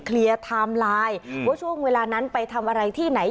ครีย์ทำลายช่วงเวลานั้นไปทำอะไรที่ไหน